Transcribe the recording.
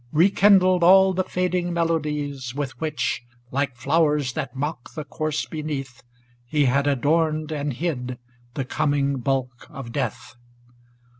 Rekindled all the fading melodies. With which, like flowers that mock the corse beneath, He had adorned and hid the coming bulk of death.